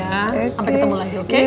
sampai ketemu lagi oke